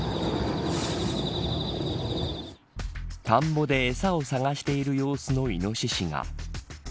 田んぼで餌を探している様子のイノシシが。